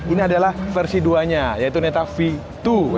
ini adalah versi dua nya yaitu netafee dua